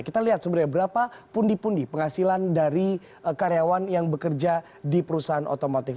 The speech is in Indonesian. kita lihat sebenarnya berapa pundi pundi penghasilan dari karyawan yang bekerja di perusahaan otomotif